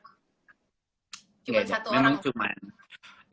cuman satu orang